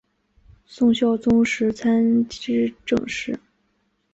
宋孝宗时参知政事。